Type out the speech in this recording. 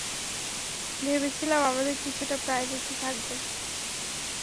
ভেবেছিলাম, আমাদের কিছুটা প্রাইভেসি থাকবে।